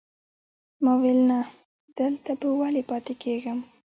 ما ویل نه، دلته به ولې پاتې کېږم.